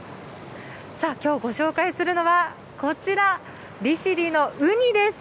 きょうご紹介するのは、こちら、利尻のウニです。